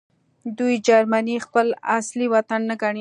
دوی جرمني خپل اصلي وطن نه ګڼي